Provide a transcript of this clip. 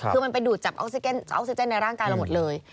คือมันไปดูดจับออกซิเจนในร่างกายเราหมดเลย